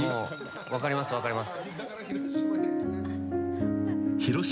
分かります、分かります。